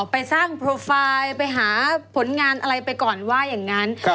ไปสร้างโปรไฟล์ไปหาผลงานอะไรไปก่อนว่าอย่างนั้น